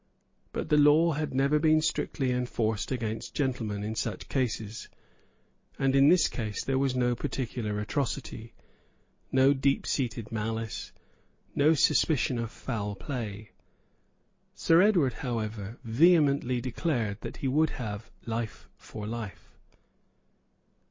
But the law had never been strictly enforced against gentlemen in such cases; and in this case there was no peculiar atrocity, no deep seated malice, no suspicion of foul play. Sir Edward, however, vehemently declared that he would have life for life.